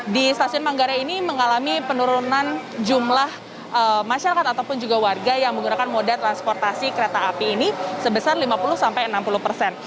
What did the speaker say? di stasiun manggarai ini mengalami penurunan jumlah masyarakat ataupun juga warga yang menggunakan moda transportasi kereta api ini sebesar lima puluh sampai enam puluh persen